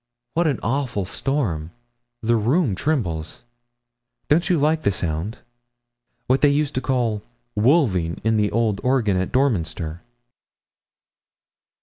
What an awful storm! The room trembles. Don't you like the sound? What they used to call 'wolving' in the old organ at Dorminster!'